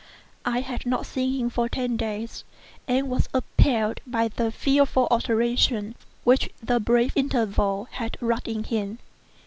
I had not seen him for ten days, and was appalled by the fearful alteration which the brief interval had wrought in him.